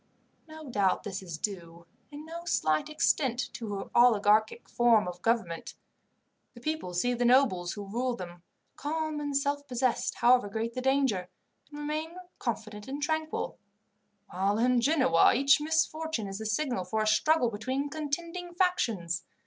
No doubt this is due, in no slight extent, to her oligarchic form of government. The people see the nobles, who rule them, calm and self possessed, however great the danger, and remain confident and tranquil; while in Genoa each misfortune is the signal for a struggle between contending factions.